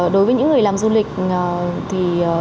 đối với những người làm du lịch